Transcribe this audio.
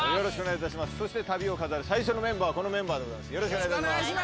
そして旅を飾る最初のメンバーはこのメンバーでございます。